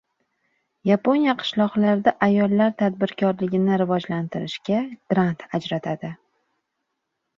Yaponiya qishloqlarda ayollar tadbirkorligini rivojlantirishga grant ajratadi